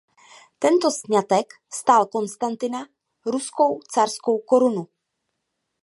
Tento sňatek stál Konstantina ruskou carskou korunu.